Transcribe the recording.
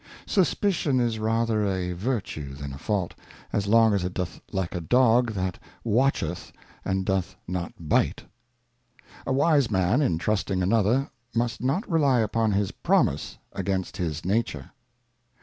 Suspicion is rather a Virtue than a Fault, as long as it doth like a Dog that watcheth, and doth not bite. A wise Man, in trusting another, must not rely upon his Promise against his Nature.